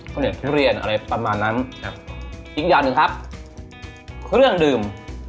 เขาเรียกทุเรียนอะไรประมาณนั้นครับอีกอย่างหนึ่งครับเครื่องดื่ม